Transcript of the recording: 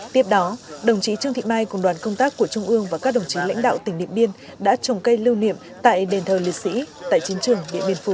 tiếp đó đồng chí trương thị mai cùng đoàn công tác của trung ương và các đồng chí lãnh đạo tỉnh điện biên đã trồng cây lưu niệm tại đền thờ liệt sĩ tại chiến trường điện biên phủ